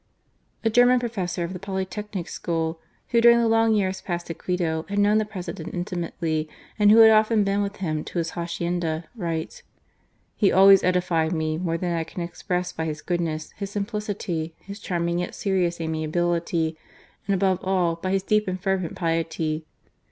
A German professor of the Polytechnic School, who, during the long years passed at Quito, had known the President intimately, and who had often been with him to his hacienda, writes :" He always edified me more than I can express by his^ goodness, his simplicity, his charming yet serious amiability, and above all, by his deep and fervent piety.